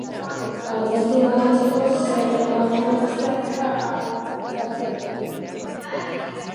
Alderdi bakoitzeko zerrendaburu guztiak dira alkategai.